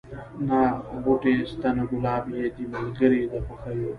نه غوټۍ سته نه ګلاب یې دی ملګری د خوښیو